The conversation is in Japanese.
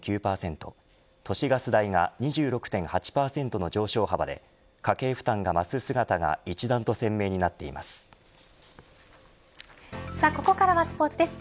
都市ガス代が２６．８％の上昇幅で家計負担が増す姿が一段と鮮明になっています。